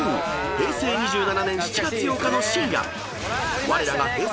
平成２７年７月８日の深夜われらがＨｅｙ！